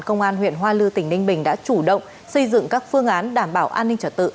công an huyện hoa lư tỉnh ninh bình đã chủ động xây dựng các phương án đảm bảo an ninh trật tự